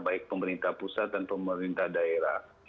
baik pemerintah pusat dan pemerintah daerah